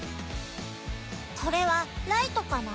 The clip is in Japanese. これはライトかな？